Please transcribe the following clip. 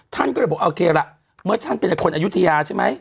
ท่านก็เลยบอกโอเคล่ะเมื่อท่านเป็นคนอายุทยาใช่ไหม